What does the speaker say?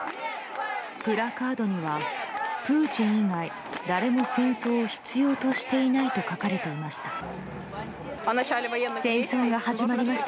プラカードにはプーチン以外誰も戦争を必要としていないと書かれていました。